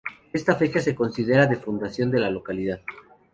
Esta fecha se considera de fundación de la localidad.